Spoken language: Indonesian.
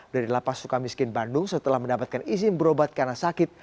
dari lapas suka miskin bandung setelah mendapatkan izin berobat karena sakit